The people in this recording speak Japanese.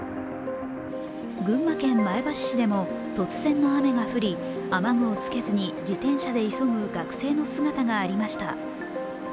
群馬県前橋市でも突然の雨が降り雨具をつけずに自転車で急ぐ学生の姿がありました。